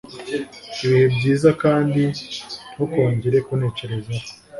Ibihe byiza kandi ntukongere kuntekerezaho